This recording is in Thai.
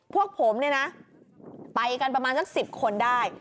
พวกผมเนี่ยนะไปกันประมาณสัก๑๐คนได้